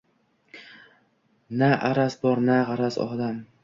Na araz bor, na gʼaraz, olam